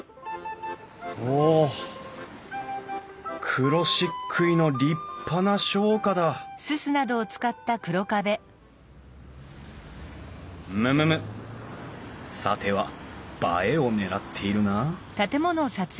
黒漆喰の立派な商家だむむむっさては映えを狙っているな？